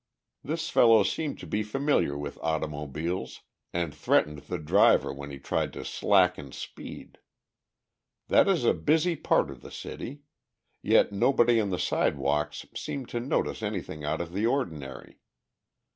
This fellow seemed to be familiar with automobiles, and threatened the driver when he tried to slacken speed. That is a busy part of the city. Yet nobody on the sidewalks seemed to notice anything out of the ordinary.